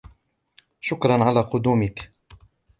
شكرًا على قدومك.